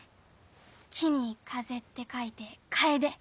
木に風って書いて楓。